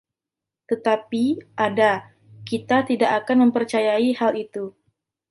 Tetapi, Ada, kita tidak akan mempercayai hal itu!